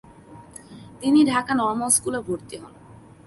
তিনি ঢাকা নর্মাল স্কুলে ভর্তি হন।